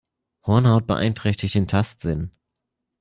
Hornhaut beeinträchtigt den Tastsinn.